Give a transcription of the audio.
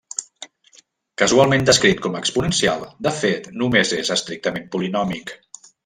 Casualment descrit com exponencial de fet només és estrictament polinòmic.